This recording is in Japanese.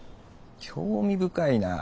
興味深いな。